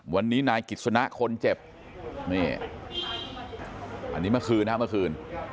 วันนี้นายกิจสนะคนเจ็บนี่อันนี้เมื่อคืนนะครับเมื่อคืน